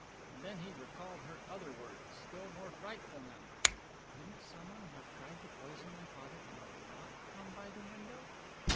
And then he recalled her other words, still more frightful now! "Couldn't someone have tried to poison my father and not have come by the window?"